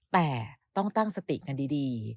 แต่ต้องตั้งสติกันดี